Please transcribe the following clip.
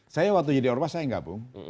saya waktu jadi ormas saya gabung